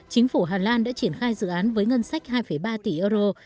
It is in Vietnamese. chính phủ hà lan đã triển khai dự án với ngân sách hai ba tỷ euro